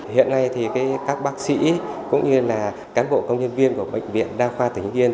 hiện nay thì các bác sĩ cũng như là cán bộ công nhân viên của bệnh viện đa khoa tỉnh hưng yên